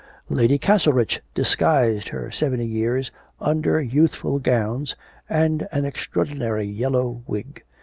Lady Castlerich disguised her seventy years under youthful gowns and an extraordinary yellow wig.